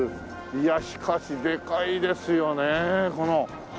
いやしかしでかいですよねこの。